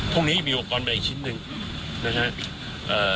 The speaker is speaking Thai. พรุ่งนี้มีอุปกรณ์เป็นอีกชิ้นหนึ่งนะครับ